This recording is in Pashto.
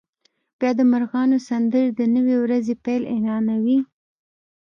بیا د مرغانو سندرې د نوې ورځې پیل اعلانوي